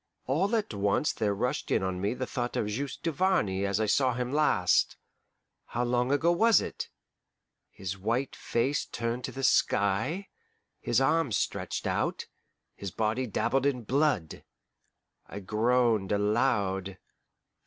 All at once there rushed in on me the thought of Juste Duvarney as I saw him last how long ago was it? his white face turned to the sky, his arms stretched out, his body dabbled in blood. I groaned aloud.